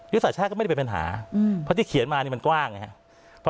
ยุทธศาสตร์ชาติก็ไม่ได้เป็นปัญหาเพราะที่เขียนมานี่มันกว้างนะครับ